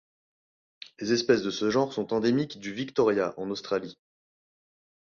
Les espèces de ce genre sont endémiques du Victoria en Australie.